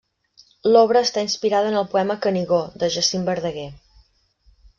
L'obra està inspirada en el poema Canigó, de Jacint Verdaguer.